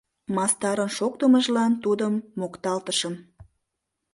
Мастарын шоктымыжлан тудым мокталтышым.